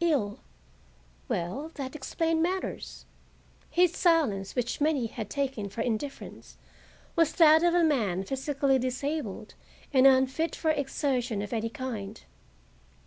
Ill,—well, that explained matters. His silence, which many had taken for indifference, was that of a man physically disabled and unfit for exertion of any kind.